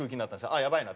あっやばいな。